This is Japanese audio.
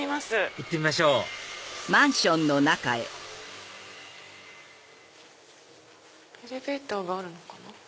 行ってみましょうエレベーターがあるのかな？